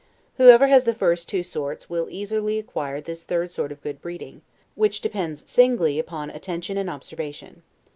Whoever has the two first sorts will easily acquire this third sort of good breeding, which depends singly upon attention and observation.